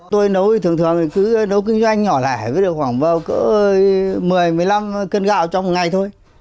tôi nấu thì thường thường cứ nấu kinh doanh nhỏ lẻ với khoảng một mươi một mươi năm cân gạo trong một ngày thôi